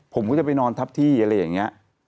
ผมก็จะไปนอนทับที่อะไรอย่างนี้